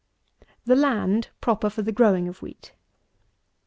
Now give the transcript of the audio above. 225. THE LAND PROPER FOR THE GROWING OF WHEAT.